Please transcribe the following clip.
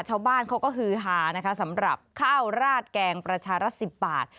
ชาวบ้านเขาก็ฮือฮานะคะสำหรับข้าวราดแกงประชารัฐ๑๐บาท